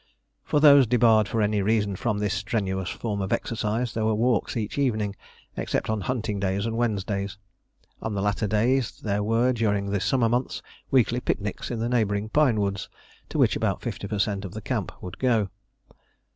For those debarred for any reason from this strenuous form of exercise there were walks each evening, except on hunting days and Wednesdays. On the latter days there were, during the summer months, weekly picnics in the neighbouring pine woods, to which about 50 per cent of the camp would go.